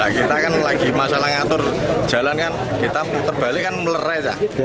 kita kan lagi masalah ngatur jalan kan kita putar balik kan melerai